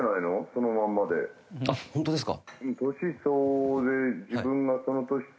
あっホントですか。